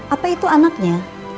apa itu anaknya